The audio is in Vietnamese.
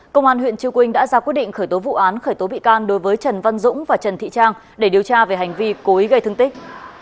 công an huyện chư quynh đã ra quyết định khởi tố vụ án khởi tố bị can đối với trần văn dũng và trần thị trang để điều tra về hành vi cố ý gây thương tích